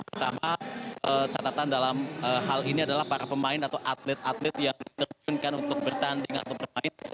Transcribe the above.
pertama catatan dalam hal ini adalah para pemain atau atlet atlet yang diterjunkan untuk bertanding atau bermain